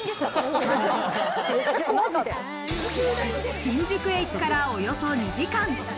新宿駅から、およそ２時間。